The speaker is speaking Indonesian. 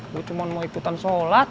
gue cuma mau ikutan sholat